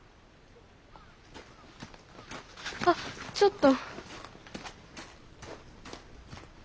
あっちょっと。